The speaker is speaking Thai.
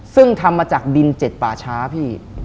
ซึ่งทำมาจากดินเจ็ดป่าช้าพี่